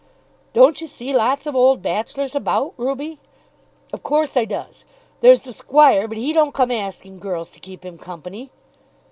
"Don't you see lots of old bachelors about, Ruby?" "Of course I does. There's the Squire. But he don't come asking girls to keep him company."